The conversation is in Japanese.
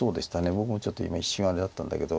僕もちょっと今一瞬あれだったんだけど。